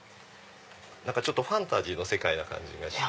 ファンタジーの世界な感じがして。